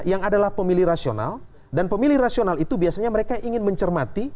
yang adalah pemilih rasional dan pemilih rasional itu biasanya mereka ingin mencermati